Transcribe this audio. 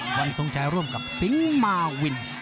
วันที่๓๐ร่วมกับสิงหมาวิมิเซียเล็ก